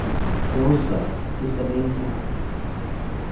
Tolosa is the main town.